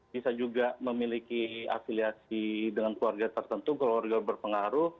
bisa juga memiliki afiliasi dengan keluarga tertentu keluarga berpengaruh